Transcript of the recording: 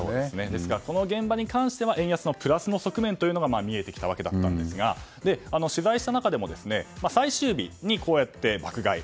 ですからこの現場に関しては円安のプラスの側面が見えてきたわけだったんですが取材した中でも最終日にこうやって爆買い。